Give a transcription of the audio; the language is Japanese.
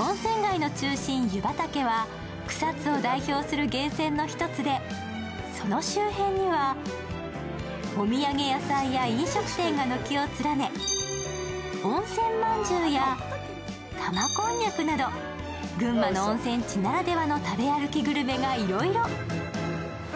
温泉街の中心、湯畑は草津を代表する源泉の１つで、その周辺には、お土産屋さんや飲食店が軒を連ね、温泉まんじゅうや玉こんにゃくなど、群馬の温泉地ならでは食べ歩きグルメがいろいろ。